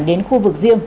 đến khu vực riêng